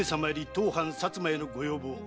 当藩薩摩へのご要望